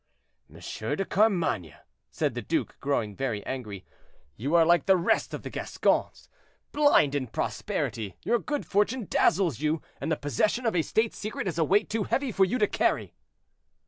"M. de Carmainges," said the duke, growing very angry, "you are like the rest of the Gascons; blind in prosperity, your good fortune dazzles you, and the possession of a state secret is a weight too heavy for you to carry."